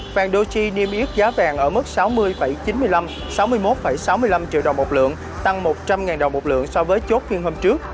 vàng doji niêm yết giá vàng ở mức sáu mươi chín mươi năm sáu mươi một sáu mươi năm triệu đồng một lượng tăng một trăm linh đồng một lượng so với chốt phiên hôm trước